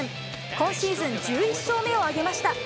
今シーズン１１勝目を挙げました。